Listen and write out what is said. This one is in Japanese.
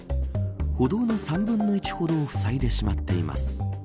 歩道の３分の１ほどを塞いでしまっています。